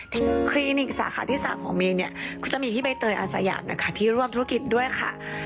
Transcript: คลินิกสาขาที่๓ของเมย์เนี่ยก็จะมีพี่ใบเตยอาสยามนะคะที่ร่วมธุรกิจด้วยค่ะ